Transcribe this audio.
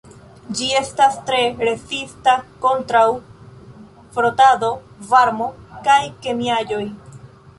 Ĝi estas tre rezista kontraŭ frotado, varmo kaj kemiaĵoj.